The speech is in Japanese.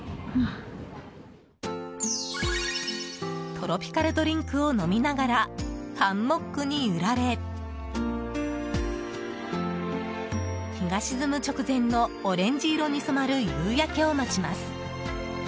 トロピカルドリンクを飲みながら、ハンモックに揺られ日が沈む直前のオレンジ色に染まる夕焼けを待ちます。